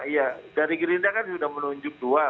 ya dari gerindra kan sudah menunjuk dua